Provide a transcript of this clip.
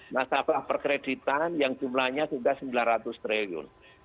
nasabah perkreditan yang jumlahnya sudah sembilan ratus triliun